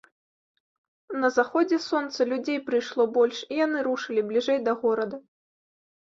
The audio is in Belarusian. На заходзе сонца людзей прыйшло больш, і яны рушылі бліжэй да горада.